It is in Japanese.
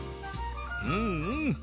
うんうん！